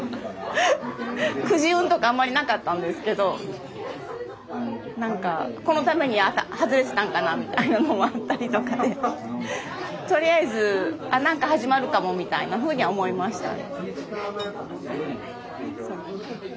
くじ運とかあんまりなかったんですけど何かこのために外れてたんかなみたいなのもあったりとかでとりあえずあ何か始まるかもみたいなふうには思いましたね。